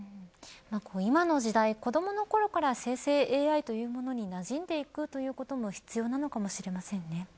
今の時代、子どものころから生成ＡＩというものに馴染んでいくこということも必要なのかもしれませんね。